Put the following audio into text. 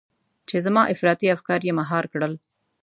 چې زما افراطي افکار يې مهار کړل.